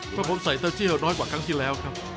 เพราะผมใส่เต้าเจียวน้อยกว่าครั้งที่แล้วครับ